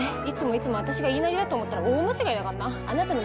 いつもいつも私が言いなりだと思ったら大間違いだかんな。